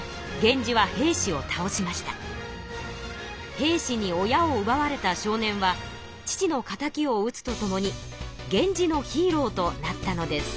平氏に親をうばわれた少年は父のかたきをうつとともに源氏のヒーローとなったのです。